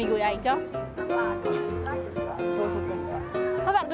điều hành trình của bạn nữ